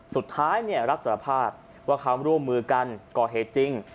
สุดท้ายรับสารภาพว่าเขาร่วมมือกันก่อเหตุจริง